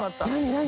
何？